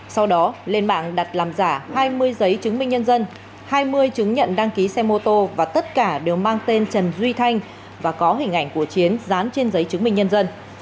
sau đó lên mạng đặt làm giả hai mươi giấy chứng minh nhân dân hai mươi chứng nhận đăng ký xe mô tô và tất cả đều mang tên trần duy thanh và có hình ảnh của chiến dán trên giấy chứng minh nhân dân